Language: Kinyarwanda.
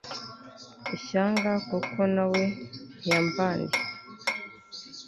ishyanga kuko na we ntiyambaniye